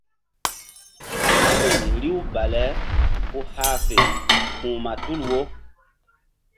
Namri riw bale ku hah fe ma tul wo.